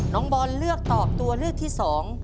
น้องบอลเลือกตอบตัวเลือกที่สอง